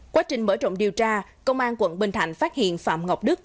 quá trình mở rộng điều tra công an quận bình thạnh phát hiện phạm ngọc đức